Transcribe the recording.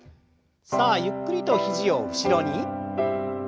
さあゆっくりと肘を後ろに。